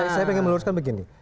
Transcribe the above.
saya pengen meluruskan begini